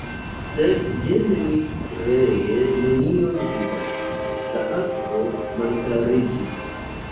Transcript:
Sed, jen, mi ree nenion vidas, la akvo malklariĝis!